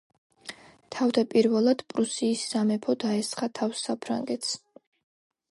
თავდაპირველად პრუსიის სამეფო დაესხა თავს საფრანგეთს.